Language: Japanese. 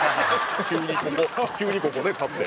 急にここ急にここね刈って。